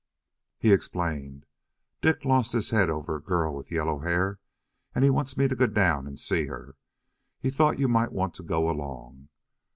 He explained: "Dick's lost his head over a girl with yellow hair, and he wants me to go down and see her. He thought you might want to go along."